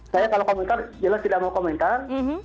saya kalau komentar jelas tidak mau komentar